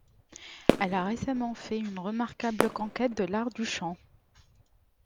Elle a récemment fait une remarquable conquête de l'art du chant.